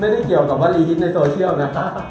ไม่ใช่เกี่ยวกับวันลีฮิตในโซเชียลนะครับ